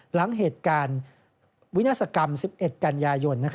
หลังเหตุการณ์วินาศกรรม๑๑กันยายน